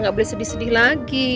nggak boleh sedih sedih lagi